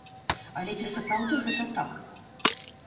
Але ці сапраўды гэта так?